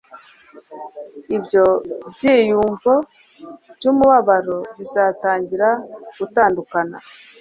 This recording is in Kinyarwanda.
ibyo byiyumvo byumubabaro bizatangira gutandukana